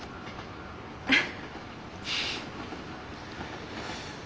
あっ。